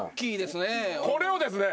これをですね